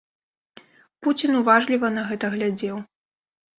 Пуцін уважліва на гэта глядзеў.